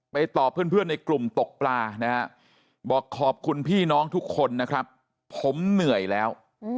ตอบเพื่อนในกลุ่มตกปลานะฮะบอกขอบคุณพี่น้องทุกคนนะครับผมเหนื่อยแล้ว